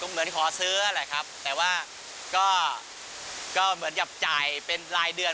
เหมือนขอซื้อแหละครับแต่ว่าก็เหมือนกับจ่ายเป็นรายเดือน